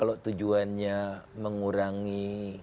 kalau tujuannya mengurangi